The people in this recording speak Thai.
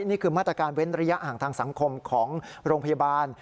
นี่คือมาตรการเว้นระยะห่างทางสังคมของโรงพยาบาล